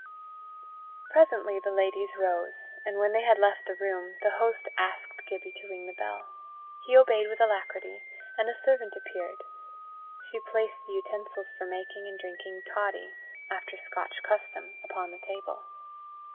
Presently the ladies rose, and when they had left the room, the host asked Gibbie to ring the bell. He obeyed with alacrity, and a servant appeared. She placed the utensils for making and drinking toddy, after Scotch custom, upon the table.